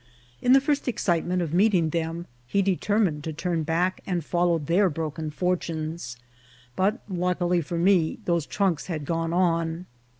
In the first excitement of meeting them, he determined to turn back and follow their broken fortunes ; but, luckily for me, those trunks had gone on.